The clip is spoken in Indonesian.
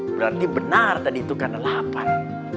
berarti benar tadi itu karena lapar